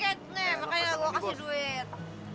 ya kate makanya saya kasih duit